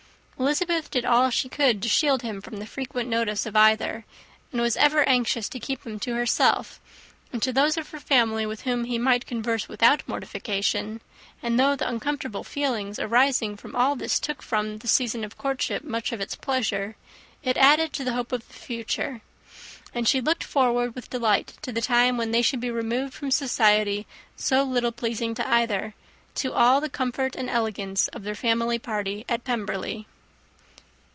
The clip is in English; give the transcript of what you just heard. Elizabeth did all she could to shield him from the frequent notice of either, and was ever anxious to keep him to herself, and to those of her family with whom he might converse without mortification; and though the uncomfortable feelings arising from all this took from the season of courtship much of its pleasure, it added to the hope of the future; and she looked forward with delight to the time when they should be removed from society so little pleasing to either, to all the comfort and elegance of their family party at Pemberley.